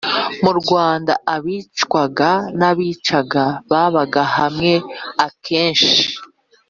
Mu Rwanda abicwaga n abicaga babaga hamwe Akenshi